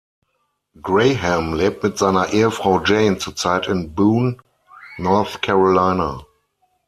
Graham lebt mit seiner Ehefrau Jane zurzeit in Boone, North Carolina.